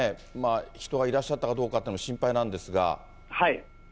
人がいらっしゃったかどうかというのが心配なんですが。